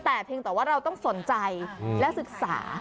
แต่เพียงแต่ว่าเราต้องสนใจและศึกษา